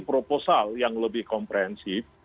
proposal yang lebih komprehensif